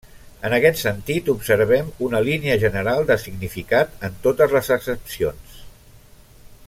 En aquest sentit observem una línia general de significat en totes les accepcions.